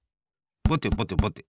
ぼてぼてぼて。